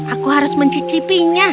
aku harus mencicipinya